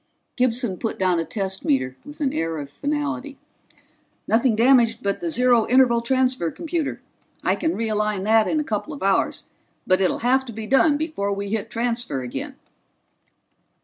Gibson put down a test meter with an air of finality. "Nothing damaged but the Zero Interval Transfer computer. I can realign that in a couple of hours, but it'll have to be done before we hit Transfer again."